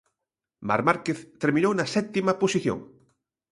Marc Márquez terminou na sétima posición.